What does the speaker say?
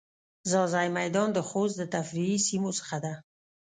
ځاځی میدان د خوست د تفریحی سیمو څخه ده.